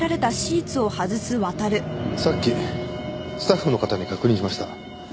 さっきスタッフの方に確認しました。